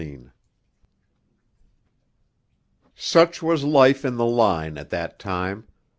IV Such was life in the line at that time.